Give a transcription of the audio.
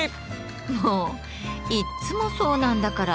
もういつもそうなんだから。